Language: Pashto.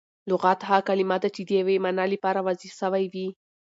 لغت هغه کلیمه ده، چي د یوې مانا له پاره وضع سوی وي.